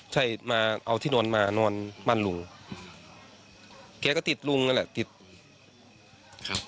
ใช่มาเอาที่นอนมานอนบ้านลุงแกก็ติดลุงนั่นแหละติดครับ